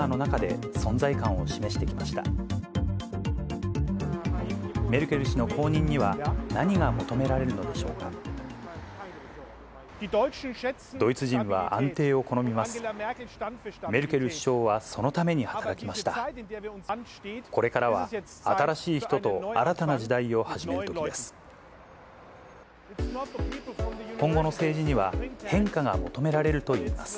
これからは新しい人と新たな時代を始めるときです。